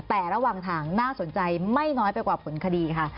แต่ระหว่างทางน่าสนใจไม่น้อยไปกว่าผลคดีค่ะ